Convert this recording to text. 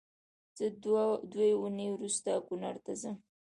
زه دوې اونۍ روسته کونړ ته ځم